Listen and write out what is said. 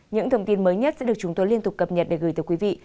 những thông tin mới nhất sẽ được chúng tôi liên tục cập nhật để gửi tới quý vị